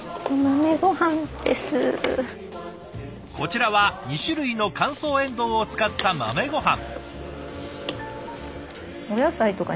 こちらは２種類の乾燥エンドウを使った豆ごはん。